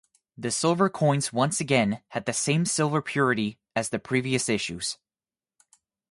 The silver coins once again had the same silver purity as the previous issues.